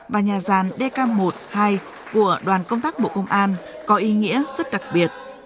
và nhà gian dk một hai của đoàn công tác bộ công an có ý nghĩa rất đặc biệt